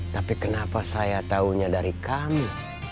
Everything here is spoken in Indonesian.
tapi kenapa saya tahunya dari kami